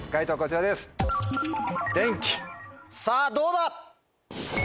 さぁどうだ